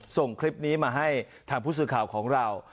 ส่งคลิปนี้มาให้ทางผู้สื่อข่าวของเรา